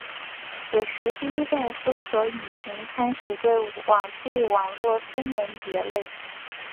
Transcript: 此时第一代搜寻引擎开始对网际网路分门别类。